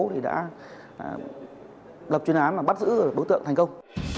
thì đã lập chuyên án mà bắt giữ đối tượng thành công